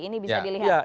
ini bisa dilihat